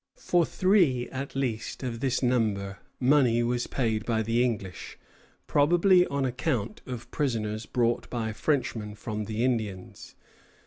For three, at least, of this number money was paid by the English, probably on account of prisoners bought by Frenchmen from the Indians.